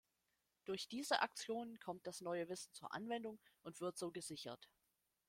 Durch diese Aktionen kommt das neue Wissen zur Anwendung und wird so gesichert.